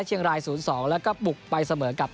เชียงราย๐๒แล้วก็บุกไปเสมอกับ